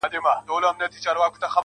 گلي پر ملا باندي راماته نسې.